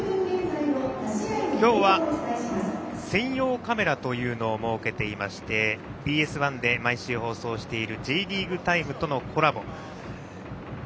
今日は専用カメラというのを設けていましてＢＳ１で毎週放送している「Ｊリーグタイム」とのコラボ。